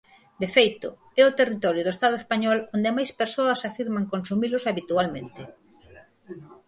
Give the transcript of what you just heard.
De feito, é o territorio do Estado español onde máis persoas afirman consumilos habitualmente.